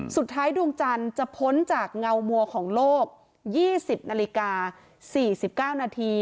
ดวงจันทร์จะพ้นจากเงามัวของโลก๒๐นาฬิกา๔๙นาที